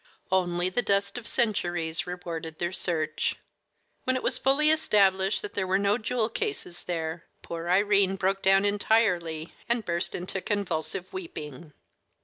Only the dust of centuries rewarded their search. When it was fully established that there were no jewel cases there, poor Irene broke down entirely, and burst into convulsive weeping.